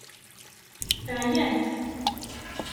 Teɛyamt.